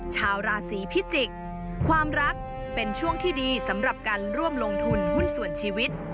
ชาวราศีพิจิกษ์ความรักเป็นช่วงที่ดีสำหรับการร่วมลงทุนหุ้นส่วนชีวิต